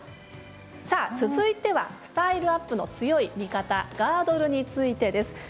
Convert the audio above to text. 続いてはスタイルアップの強い味方、ガードルについてです。